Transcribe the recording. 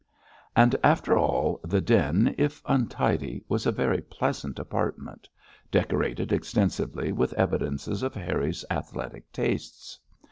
And after all, the 'den,' if untidy, was a very pleasant apartment, decorated extensively with evidences of Harry's athletic tastes.